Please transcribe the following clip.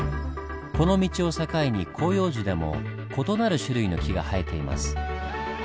この道を境に広葉樹でも異なる種類の木が生えています。